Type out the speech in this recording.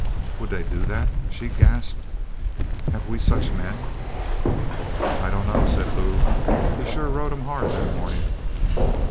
"Would they do that?" she gasped. "Have we such men?" "I dunno," said Lew. "He sure rode 'em hard that morning."